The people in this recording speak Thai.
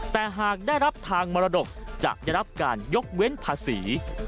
แต่หากได้รับทางมรดกจะได้รับการยกเว้นภาษี